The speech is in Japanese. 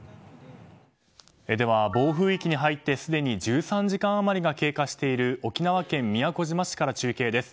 では、暴風域に入ってすでに１３時間余りが経過している沖縄県宮古島市から中継です。